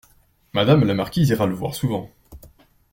Madame la marquise ira le voir souvent.